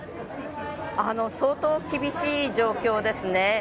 相当厳しい状況ですね。